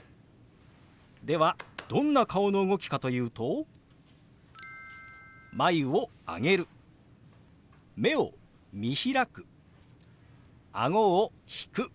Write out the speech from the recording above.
ではどんな顔の動きかというと眉を上げる目を見開くあごを引く。